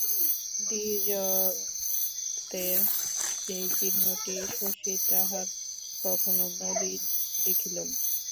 দ্বিজত্বের এই চিহ্নটি শশী তাহার কখনো মলিন দেখিল না।